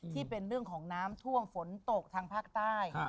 ที่เป็นเรื่องของน้ำท่วมฝนตกทางภาคใต้